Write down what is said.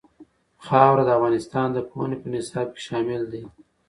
خاوره د افغانستان د پوهنې په نصاب کې شامل دي.